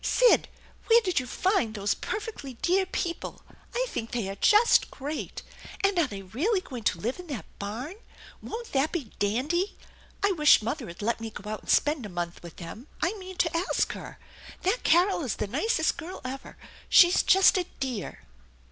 " Sid, where did you find those perfectly dear people ? I think they are just great ! And are they really going to live in that barn ? Won't that be dandy ? I wish mother'd let me go out and spend a month with them. I mean to ask her. That Carol is the nicest girl ever. She's just a dear